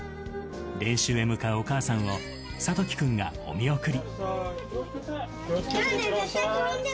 練習へ向かうお母さんを諭樹君がお見送り。